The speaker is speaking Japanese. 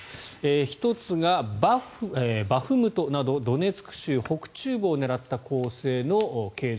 １つがバフムトなどドネツク州北中部を狙った攻勢の継続。